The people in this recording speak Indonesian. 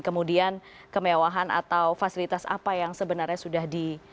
kemudian kemewahan atau fasilitas apa yang sebenarnya sudah di